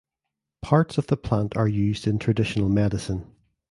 Parts of the plant are used in traditional medicine.